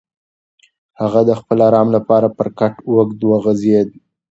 هغه د خپل ارام لپاره پر کټ اوږد وغځېد.